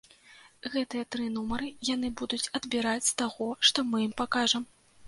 Гэтыя тры нумары яны будуць адбіраць з таго, што мы ім пакажам.